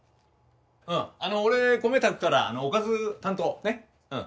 あの俺、米炊くからおかず担当ね、うん。